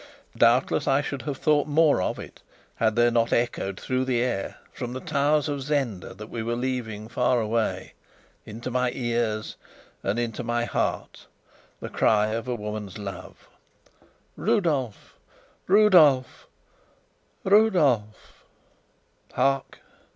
Doubtless I should have thought more of it, had there not echoed through the air, from the towers of Zenda that we were leaving far away, into my ears and into my heart the cry of a woman's love "Rudolf! Rudolf! Rudolf!" Hark!